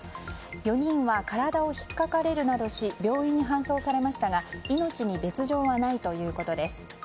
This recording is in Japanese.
４人は体を引っかかれるなどし病院に搬送されましたが命に別条はないということです。